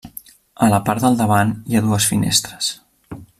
A la part del davant hi ha dues finestres.